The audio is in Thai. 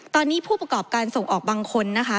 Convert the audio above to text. ตอนนี้ผู้ประกอบการส่งออกบางคนนะคะ